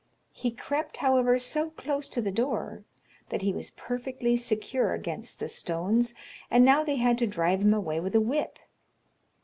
He crept, however, so close to the door, that he was perfectly secure against the stones, and now they had to drive him away with a whip.